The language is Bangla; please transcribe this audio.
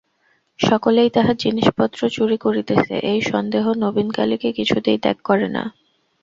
সকলেই তাঁহার জিনিসপত্র চুরি করিতেছে, এই সন্দেহ নবীনকালীকে কিছুতেই ত্যাগ করে না।